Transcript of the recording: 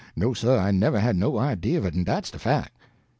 No, sir, I never had no idea of it, and dat's de fac'."